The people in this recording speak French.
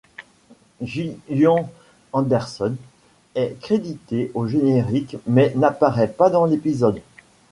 Gillian Anderson est créditée au générique mais n'apparaît pas dans l'épisode.